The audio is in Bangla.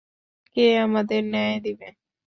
কে আমাদের ন্যায় দিবে?